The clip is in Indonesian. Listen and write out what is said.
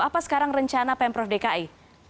apa sekarang rencana pemprov dki